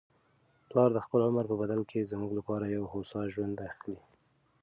پلار د خپل عمر په بدل کي زموږ لپاره یو هوسا ژوند اخلي.